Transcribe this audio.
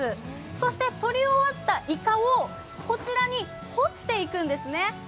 そして取り終わったイカをこちらに干していくんですね。